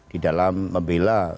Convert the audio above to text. di dalam membela